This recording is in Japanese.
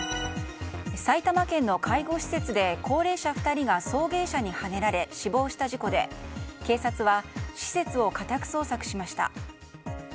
埼玉県の介護施設で高齢者２人が送迎車にはねられ死亡した事故で警察は施設を家宅捜索しました。